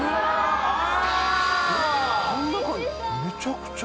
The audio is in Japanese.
めちゃくちゃ。